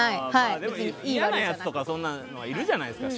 別に嫌なやつとかそんなのはいるじゃないですか。